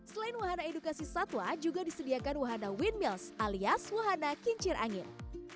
selain wahana edukasi satwa juga disediakan wahana wind mills alias wahana kincir angin